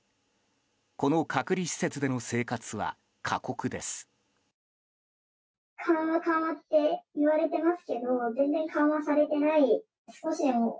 この隔離施設での生活は過酷です。